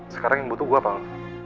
sekarang yang butuh gue apa